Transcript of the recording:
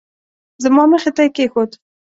زما مخې ته یې کېښود.